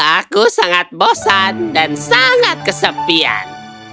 aku sangat bosan dan sangat kesepian